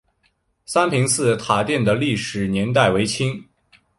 三平寺塔殿的历史年代为清。